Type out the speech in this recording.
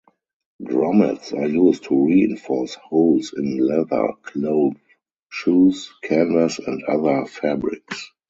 Grommets are used to reinforce holes in leather, cloth, shoes, canvas and other fabrics.